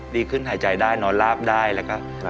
ดีขึ้นหายใจได้นอนลาบได้แล้วก็